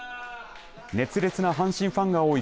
熱烈な阪神ファンが多い